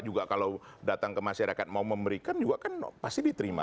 juga kalau datang ke masyarakat mau memberikan juga kan pasti diterima